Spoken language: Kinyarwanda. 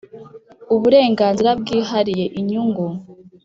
uburenganzira bwihariye inyungu .